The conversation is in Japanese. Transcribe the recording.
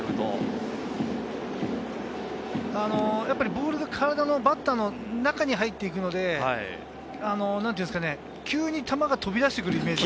ボールがバッターの体の中に入っていくので、急に球が飛び出してくるイメージ。